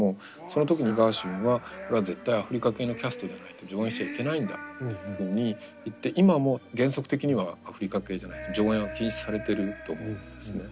その時にガーシュウィンは「これは絶対アフリカ系のキャストじゃないと上演しちゃいけないんだ」っていうふうに言って今も原則的にはアフリカ系じゃないと上演は禁止されてると思うんですね。